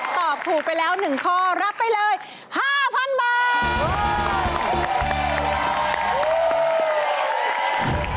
ตอบถูกไปแล้ว๑ข้อรับไปเลย๕๐๐๐บาท